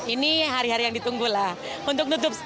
ini hari hari yang ditunggulah untuk nutup stand